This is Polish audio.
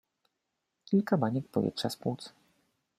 Kilka baniek powietrza z płuc.